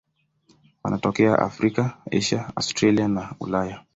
Wanatokea Afrika, Asia, Australia na Ulaya.